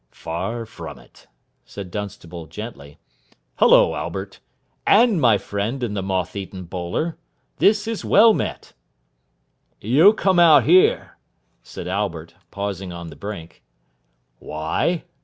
"Far from it," said Dunstable gently. "Hullo, Albert. And my friend in the moth eaten bowler! This is well met." "You come out here," said Albert, pausing on the brink. "Why?"